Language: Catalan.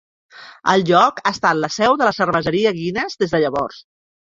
El lloc ha estat la seu de la cerveseria Guinness des de llavors.